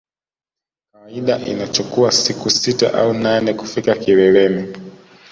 Kawaida inachukua siku sita au nane kufika kileleni